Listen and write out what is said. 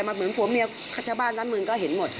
ปวดผัวเมียขาดธะบาทนั้นเมืองก็เห็นหมด